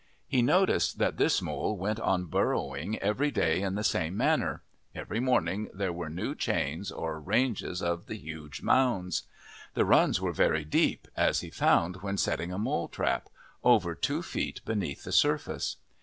He noticed that this mole went on burrowing every day in the same manner; every morning there were new chains or ranges of the huge mounds. The runs were very deep, as he found when setting a mole trap over two feet beneath the surface.